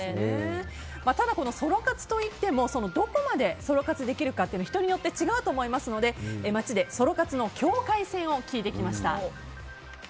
ただ、ソロ活といってもどこまでソロ活できるかというのは人によって違うと思いますので街でソロ活の境界線を聞いてきました。